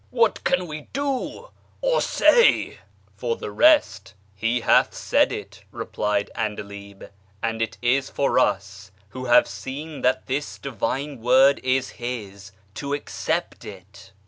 What can we do or say ?"" For the rest, He hath said it," replied 'Andalib, " and it is for us, who have seen that this Divine Word is His, to accept it."